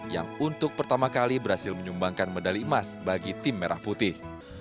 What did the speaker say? yang untuk pertama kali berhasil menyumbangkan medali emas bagi tim merah putih